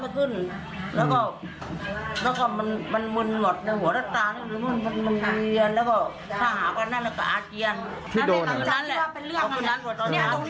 คุณสายบอกไปเลือกมาเนี่ย